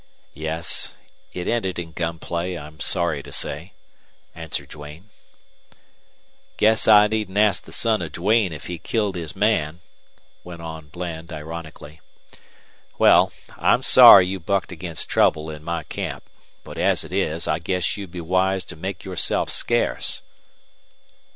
"Yes. It ended in gun play, I'm sorry to say," answered Duane. "Guess I needn't ask the son of Duane if he killed his man," went on Bland, ironically. "Well, I'm sorry you bucked against trouble in my camp. But as it is, I guess you'd be wise to make yourself scarce."